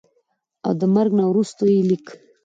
او دَمرګ نه وروستو ئې ليک